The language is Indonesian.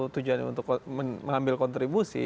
tujuannya untuk mengambil kontribusi